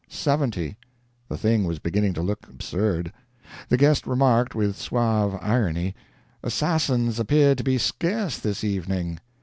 Seventy. The thing was beginning to look absurd. The guest remarked, with suave irony, "Assassins appear to be scarce this evening."